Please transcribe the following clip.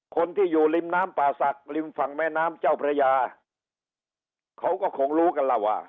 คนที่อยู่ริมน้ำป่าศักดิ์ริมฝั่งแม่น้ำเจ้าพระยาเขาก็คงรู้กันแล้วว่า